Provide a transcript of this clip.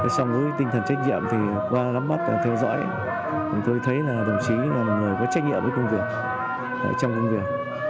xong với tinh thần trách nhiệm thì qua lắm bắt theo dõi tôi thấy là đồng chí là một người có trách nhiệm với công việc trong công việc